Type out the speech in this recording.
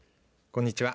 こんにちは。